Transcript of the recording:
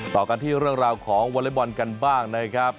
ต่อกันที่เรื่องราวของวอเล็กบอลกันบ้างนะครับ